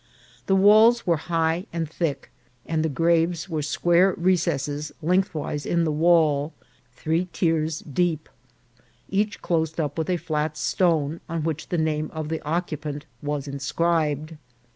The walls were high and thick, and the graves were square recesses lengthwise in the wall, three tiers deep, each closed up with a flat stone, on which the name of the occupant was inscribed.